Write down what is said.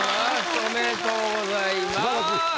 おめでとうございます。